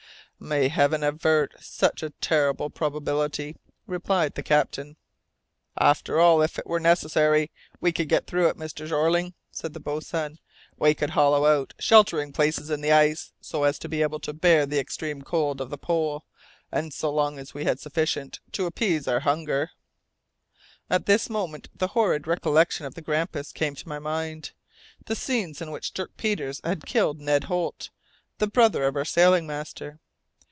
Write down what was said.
"May Heaven avert such a terrible probability," replied the captain. "After all, if it were necessary, we could get through it, Mr. Jeorling," said the boatswain. "We could hollow out sheltering places in the ice, so as to be able to bear the extreme cold of the pole, and so long as we had sufficient to appease our hunger " At this moment the horrid recollection of the Grampus came to my mind the scenes in which Dirk Peters killed Ned Holt, the brother of our sailing master.